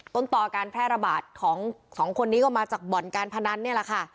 ต้นต่อการแพร่ระบาดของสองคนนี้ก็มาจากบ่อนการพนันนี่แหละค่ะ